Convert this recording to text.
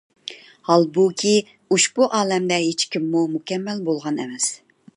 ھالبۇكى، ئۇشبۇ ئالەمدە ھېچكىممۇ مۇكەممەل بولغان ئەمەس.